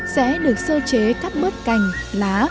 sẽ được sơ chế cắt bớt cành lá